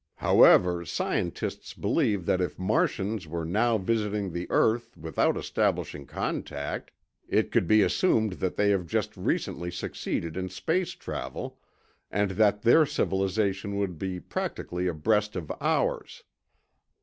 However, scientists believe that if Martians were now visiting the earth without establishing contact, it could be assumed that they have just recently succeeded in space travel, and that their civilization would be practically abreast of ours.